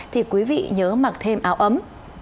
thì quý vị nhớ mặc thêm áo ấm